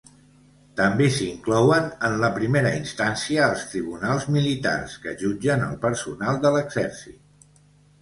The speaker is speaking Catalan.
També s'inclouen en la primera instància els tribunals militars, que jutgen al personal de l'exèrcit.